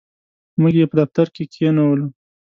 موږ یې په دفتر کې کښېنولو.